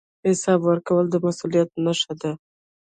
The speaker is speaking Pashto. حساب ورکول د مسوولیت نښه ده